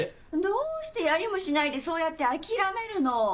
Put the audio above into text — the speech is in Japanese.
どうしてやりもしないでそうやって諦めるの？